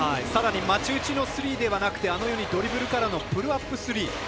さらにマッチ打ちのスリーではなくドリブルからのプルアップスリー。